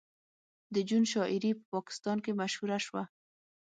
د جون شاعري په پاکستان کې مشهوره شوه